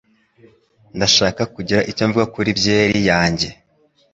Ndashaka kugira icyo mvuga kuri byeri yanjye.